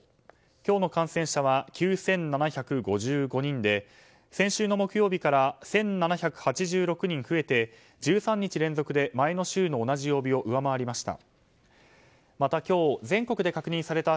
今日の感染者は９７５５人で先週の木曜日から１７８６人増えて１３日連続で前の週の同じ曜日を上回りました。